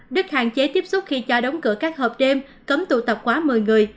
đức hạn chế tiếp xúc khi cho đóng cửa các hợp đêm cấm tụ tập quá một mươi người